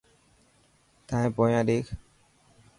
تائن پونيان ڏيک.